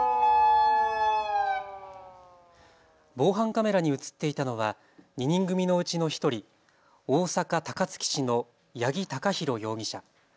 防犯カメラに映っていたのは２人組のうちの１人、大阪高槻市の八木貴寛容疑者。